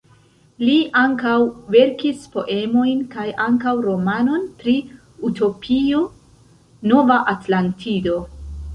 Li ankaŭ verkis poemojn kaj ankaŭ romanon pri utopio, Nova Atlantido.